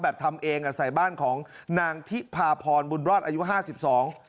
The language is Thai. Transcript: ทำเองอ่ะใส่บ้านของนางทิพาพรบุญรอดอายุห้าสิบสอง